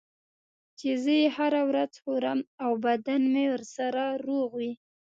چې زه یې هره ورځ خورم او بدنم ورسره روغ وي.